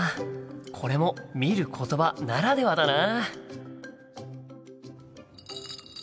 これも「見ることば」ならではだな。